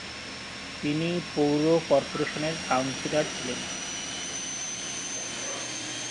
তিনি পৌর কর্পোরেশনের কাউন্সিলর ছিলেন।